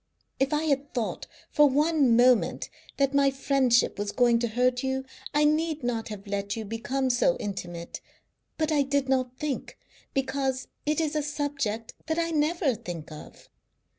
If I had thought for one moment that my friendship was going to hurt you I need not have let you become so intimate, but I did not think, because it is a subject that I never think of.